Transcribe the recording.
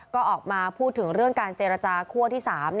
ก็ออกมาพูดถึงเรื่องการเจรจาคั่วที่๓